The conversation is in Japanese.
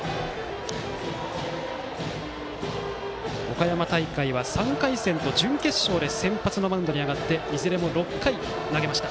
岡山大会は３回戦と準決勝で先発のマウンドに上がっていずれも６回を投げました。